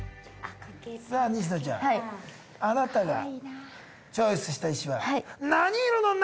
さあ西野ちゃんあなたがチョイスした石は何色の何？